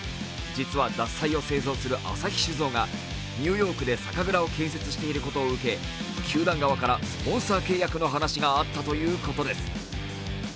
実は、獺祭を製造する旭酒造がニューヨークで酒蔵を建設していることを受け球団側からスポンサー契約の話があったということです。